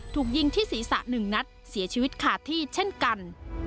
ถูกยิงที่ศีรษะ๑นัดเสียชีวิตขาดที่เช่นกัน